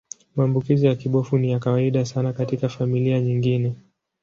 Maambukizi ya kibofu ni ya kawaida sana katika familia nyingine.